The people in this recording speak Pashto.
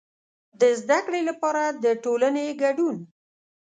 د زده کړې لپاره د ټولنې کډون.